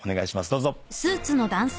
どうぞ。